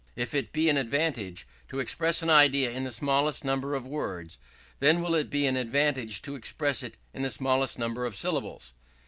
If it be an advantage to express an idea in the smallest number of words, then will it be an advantage to express it in the smallest number of syllables.